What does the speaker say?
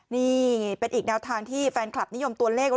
นี่เป็นอีกแนวทางที่แฟนคลับนิยมตัวเลข